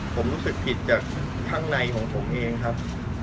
ผมรู้สึกผิดจากข้างในของผมเองครับ